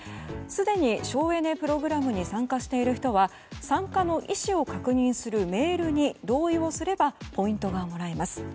すでに省エネプログラムに参加している人は参加の意思を確認するメールに同意をすればポイントがもらえます。